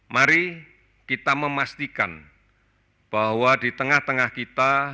mari kita memastikan bahwa di tengah tengah kita